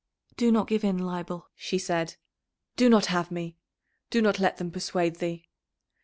"Do not give in, Leibel," she said. "Do not have me! Do not let them persuade thee.